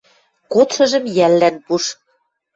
кодшыжым йӓллӓн пуш.